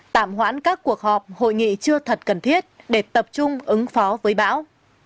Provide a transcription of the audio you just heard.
tạm hoãn các cuộc họp hội nghị chưa thật cần thiết để tập trung ứng phó với bão